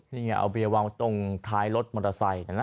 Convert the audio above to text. นี่ไงเอาเบียร์วางไว้ตรงท้ายรถมอเตอร์ไซค์